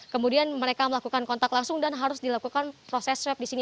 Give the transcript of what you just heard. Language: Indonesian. kemudian mereka melakukan kontak langsung dan harus dilakukan proses swab di sini